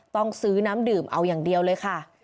ต้องซื้อน้ำดื่มเอาอย่างเดียวเลยค่ะ